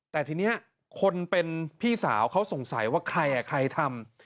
แต่ทีนี้คนเป็นพี่สาวเขาสงสัยว่าใครใครทำ